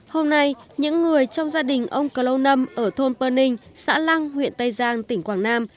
hôm nay những người trong gia đình ông cờ lâu năm ở thôn perninh xã lăng huyện tây giang tỉnh quảng nam